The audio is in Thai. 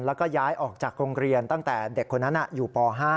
แล้วก็ย้ายออกจากโรงเรียนตั้งแต่เด็กคนนั้นอยู่ป๕